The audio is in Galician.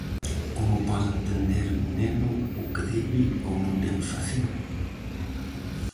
Como pode entender un neno o que debe ou non debe facer?